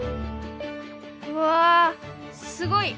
うわすごい！